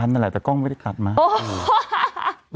นั่นแหละแต่กล้องไม่ได้กลับมา